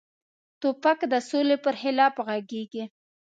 توپک د سولې پر خلاف غږیږي.